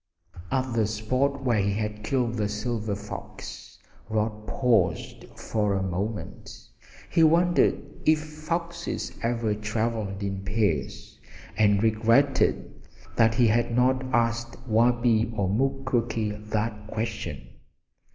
At the spot where he had killed the silver fox Rod paused for a moment. He wondered if foxes ever traveled in pairs, and regretted that he had not asked Wabi or Mukoki that question.